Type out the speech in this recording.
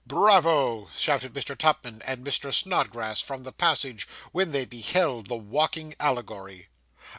'Bravo!' shouted Mr. Tupman and Mr. Snodgrass from the passage, when they beheld the walking allegory.